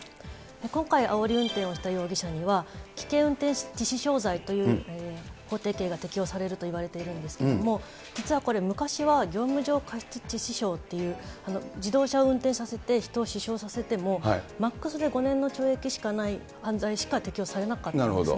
今回、あおり運転をした容疑者には、危険運転致死傷罪という法定刑が適用されるといわれているんですけれども、実はこれ、昔は業務上過失致死傷っていう、自動車を運転させて人を死傷させてもマックスで５年の懲役しかない犯罪しか適用されなかったんですね。